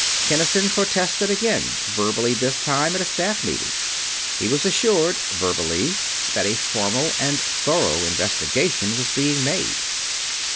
Kinnison protested again, verbally this time, at a staff meeting. He was assured verbally that a formal and thorough investigation was being made.